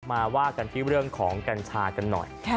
มาว่ากันที่เรื่องของกัญชากันหน่อย